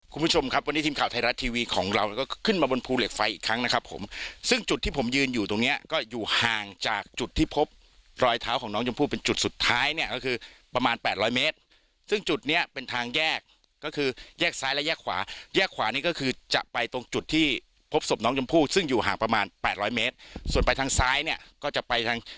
คุณผู้ชมครับวันนี้ทีมข่าวไทยรัฐทีวีของเราก็ขึ้นมาบนภูเหล็กไฟอีกครั้งนะครับผมซึ่งจุดที่ผมยืนอยู่ตรงเนี้ยก็อยู่ห่างจากจุดที่พบรอยเท้าของน้องจมพู่เป็นจุดสุดท้ายเนี้ยก็คือประมาณแปดร้อยเมตรซึ่งจุดเนี้ยเป็นทางแยกก็คือแยกซ้ายและแยกขวาแยกขวานี่ก็คือจะไปตรงจุดที่พบสมน้องจมพ